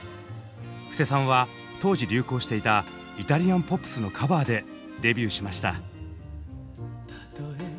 布施さんは当時流行していたイタリアン・ポップスのカバーでデビューしました。